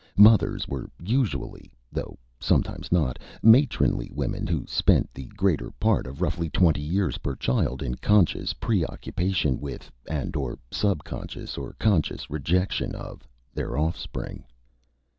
Mothers were usually though sometimes not matronly women who spent the greater part of roughly twenty years per child in conscious pre occupation with, and/or subconscious or conscious rejection of, their offspring.